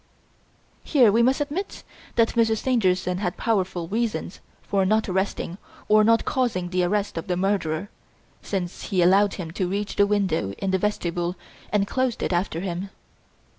"Here we must admit that Monsieur Stangerson had powerful reasons for not arresting, or not causing the arrest of the murderer, since he allowed him to reach the window in the vestibule and closed it after him!